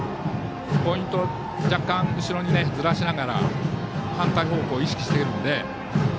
ポイントを若干、後ろにずらしながら反対方向を意識しているので。